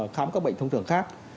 khám các bệnh thông thường khác